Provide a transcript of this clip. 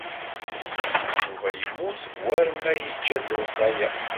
Yuba yemmut war ma yejja-d lewṣaya.